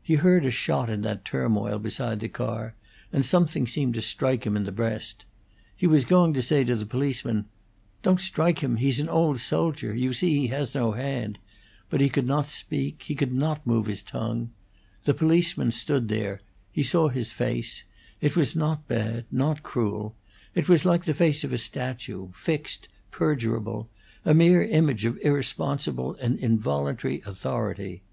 He heard a shot in that turmoil beside the car, and something seemed to strike him in the breast. He was going to say to the policeman: "Don't strike him! He's an old soldier! You see he has no hand!" but he could not speak, he could not move his tongue. The policeman stood there; he saw his face: it was not bad, not cruel; it was like the face of a statue, fixed, perdurable a mere image of irresponsible and involuntary authority.